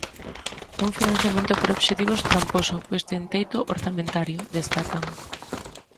"Un financiamento por obxectivos tramposo, pois ten teito orzamentario", destacan.